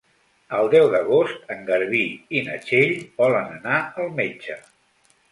El deu d'agost en Garbí i na Txell volen anar al metge.